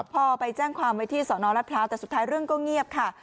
พอไปแจ้งความไว้ที่สนรัฐพร้าวแต่สุดท้ายเรื่องก็เงียบค่ะ